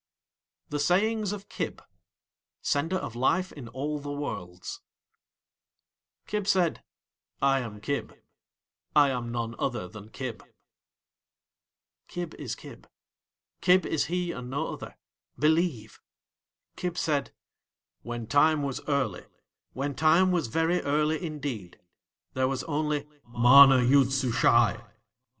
THE SAYINGS OF KIB (Sender of Life in all the Worlds) Kib said: "I am Kib. I am none other than Kib." Kib is Kib. Kib is he and no other. Believe! Kib said: "When Time was early, when Time was very early indeed there was only MANA YOOD SUSHAI.